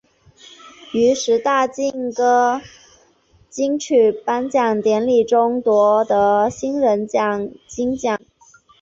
于十大劲歌金曲颁奖典礼中夺得新人奖金奖。